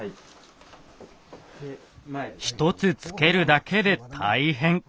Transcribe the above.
１つつけるだけで大変。